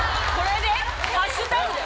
ハッシュタグで？